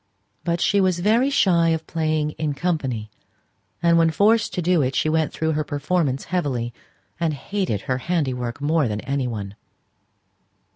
But she was very shy of playing in company; and when forced to do it, she went through her performance heavily, and hated her handiwork more than any one.